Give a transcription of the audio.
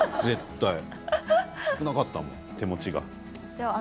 少なかったもん、手持ちの。